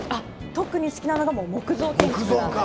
特に好きなのが木造建築なんです。